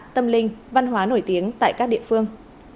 tâm linh văn hóa nổi tiếng tại các địa phương